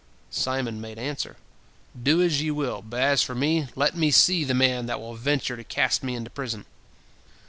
Simon made answer, "Do as ye will, but as for me, let me see the man that will venture to cast me into prison."